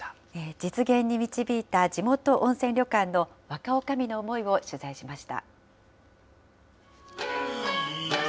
実現に導いた地元温泉旅館の若女将の思いを取材しました。